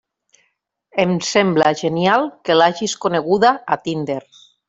Em sembla genial que l'hagis coneguda a Tinder!